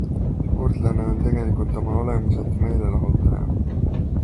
Sportlane on tegelikult oma olemuselt meelelahutaja.